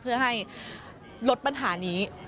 เพื่อให้ลดปัญหานี้